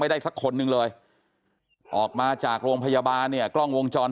ได้สักคนหนึ่งเลยออกมาจากโรงพยาบาลเนี่ยกล้องวงจร